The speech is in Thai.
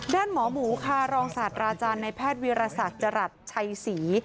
ด้านหมอหมูค่ะรองศาสตราอาจารย์ในแพทย์วิรสักจรัสชัยศรี